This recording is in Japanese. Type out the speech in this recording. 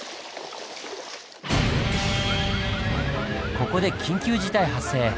ここで緊急事態発生！